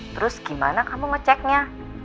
terus gimana kamu ngeceknya